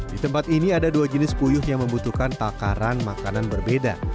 di tempat ini ada dua jenis puyuh yang membutuhkan takaran makanan berbeda